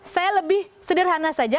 saya lebih sederhana saja